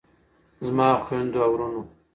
زما خویندو او وروڼو.